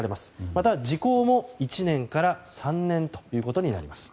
また、時効も１年から３年となります。